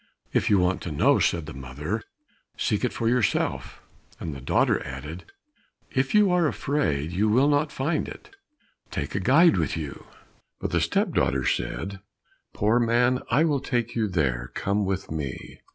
"If you want to know," said the mother, "seek it for yourself," and the daughter added, "If you are afraid you will not find it, take a guide with you." But the step daughter said, "Poor man, I will take you there, come with me."